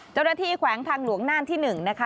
เจ้าหน้าที่แขวงทางหลวงน่านที่๑นะคะ